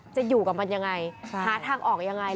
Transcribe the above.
จะอยู่กับมันอย่างไรหาทางออกอย่างไรใช่